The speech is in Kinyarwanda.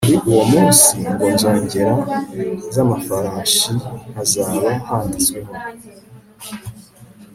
kuri uwo munsi ku nzogera z amafarashi hazaba handitseho